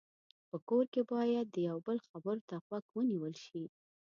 په کور کې باید د یو بل خبرو ته غوږ ونیول شي.